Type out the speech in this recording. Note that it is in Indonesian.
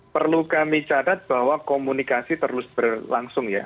perlu kami catat bahwa komunikasi terus berlangsung ya